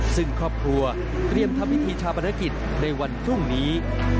ซึ่งครอบครัวเตรียมทำพิธีชาปนกิจในวันพรุ่งนี้